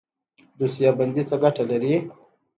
دوسیه بندي څه ګټه لري؟